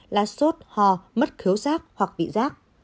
là sốt hò mất khiếu giác hoặc bị giác